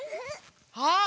あっ。